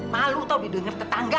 malu tau didengar tetangga